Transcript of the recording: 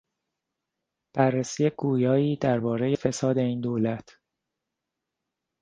بررسی گویایی دربارهی فساد این دولت